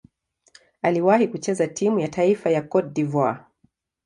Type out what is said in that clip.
Aliwahi kucheza timu ya taifa ya Cote d'Ivoire.